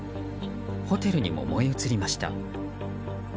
ホテルにも燃え移りました。